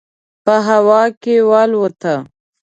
په هوا کې والوته.